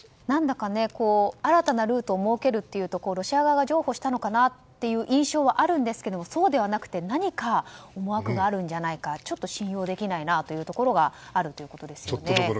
何だか新たなルートを設けるというとロシア側が譲歩したのかなという印象があるんですがそうではなくて何か思惑があるんじゃないかちょっと信用できないというところがあるということですね。